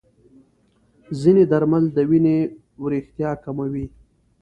ځینې درمل د وینې وریښتیا کموي.